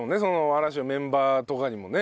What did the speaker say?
嵐のメンバーとかにもね。